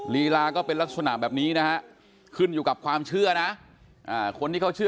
ลีลาก็เป็นลักษณะแบบนี้นะฮะขึ้นอยู่กับความเชื่อนะคนที่เขาเชื่อ